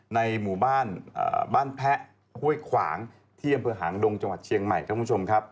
ในหมู่บ้านบ้านแพะห้วยขวางที่อำเภอหางดงจังหวัดเชียงใหม่